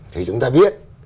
thì chúng ta biết